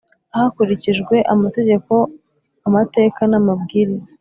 hakurikijwe amategeko amateka n amabwiriza